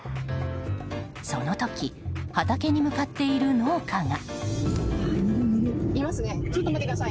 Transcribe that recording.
その時畑に向かっている農家が。